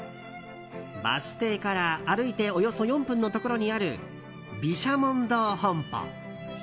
バス停から歩いておよそ４分のところにある毘沙門堂本舗。